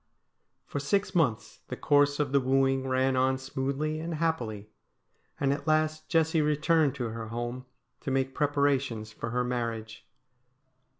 For six months the course of the wooing ran on smoothly and happily, and at last Jessie returned to her home to make preparations for her marriage.